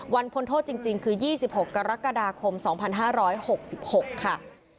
พ้นโทษจริงคือ๒๖กรกฎาคม๒๕๖๖ค่ะ